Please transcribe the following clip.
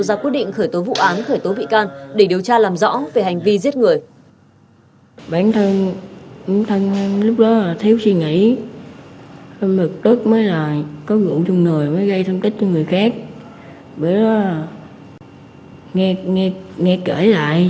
ra quyết định khởi tố vụ án khởi tố bị can để điều tra làm rõ về hành vi giết người